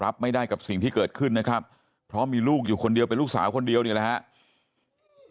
รับไม่ได้กับสิ่งที่เกิดขึ้นนะครับเพราะมีลูกอยู่คนเดียวเป็นลูกสาวคนเดียวนี่แหละครับ